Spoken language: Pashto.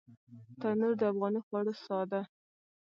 تنور د افغاني خوړو ساه ده